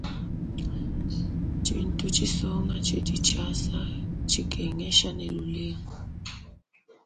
Tshintu tshisonga tshidi tshiasa, tshikengesha ne lulengu.